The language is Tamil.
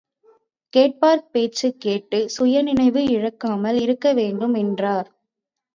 கேட்பார் பேச்சுக்கேட்டு சுயநினைவு இழக்காமல் இருக்க வேண்டும் என்றனர்.